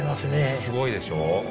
すごいでしょう？